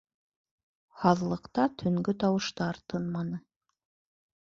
Һаҙлыҡта төнгө тауыштар тынманы.